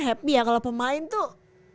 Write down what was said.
happy ya kalau pemain tuh